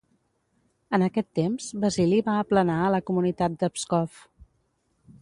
En aquest temps Basili va aplanar a la comunitat de Pskov.